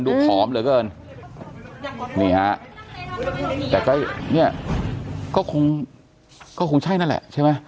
ผอมเหลือเกินนี่ฮะแต่ก็เนี่ยก็คงก็คงใช่นั่นแหละใช่ไหม